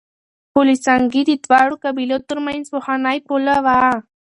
پل سنګي د دواړو قبيلو ترمنځ پخوانۍ پوله وه.